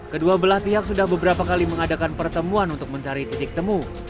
kedua belah pihak sudah beberapa kali mengadakan pertemuan untuk mencari titik temu